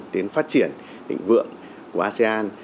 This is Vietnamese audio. đến phát triển định vượng của asean